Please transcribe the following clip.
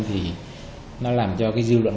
thì nó làm cho dư luận